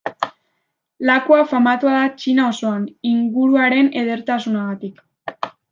Lakua famatua da Txina osoan, inguruaren edertasunagatik.